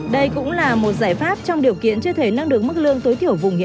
đây cũng là một giải pháp trong điều kiện chưa thể nâng được mức lương tối thiểu vùng hiểm